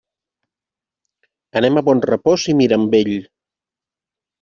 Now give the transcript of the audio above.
Anem a Bonrepòs i Mirambell.